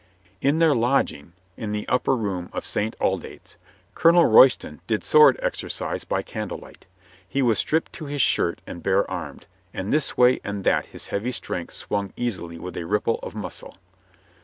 In their lodging, in an upper room of St. Aldate's, Colonel Royston did sword exercise by candle light. He was stripped to his shirt and bare armed, and this way and that his heavy strength swung easily with a ripple of muscle.